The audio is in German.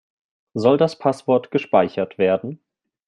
Soll das Passwort gespeichert werden?